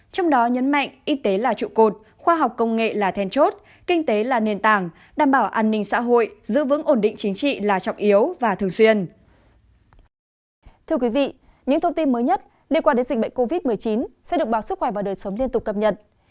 trong đó nhấn mạnh y tế là trụ cột khoa học công nghệ là then chốt kinh tế là nền tảng đảm bảo an ninh xã hội giữ vững ổn định chính trị là trọng yếu và thường xuyên